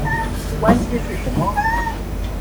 关系是什么？